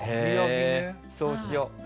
そうしよ。